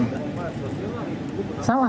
salah satunya gara gara ini